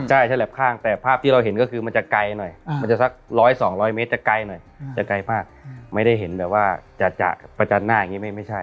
ใช่ฉลับข้างแต่ภาพที่เราเห็นก็คือมันจะไกลหน่อยมันจะสัก๑๐๐๒๐๐เมตรจะไกลหน่อยจะไกลมากไม่ได้เห็นแบบว่าจะประจันหน้าอย่างนี้ไม่ใช่